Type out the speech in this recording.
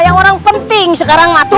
seperti orang penting sekarang